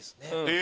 え！